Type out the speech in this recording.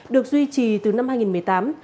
được duy trì từ năm hai nghìn một mươi tám